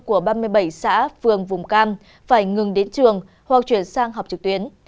của ba mươi bảy xã phường vùng cam phải ngừng đến trường hoặc chuyển sang học trực tuyến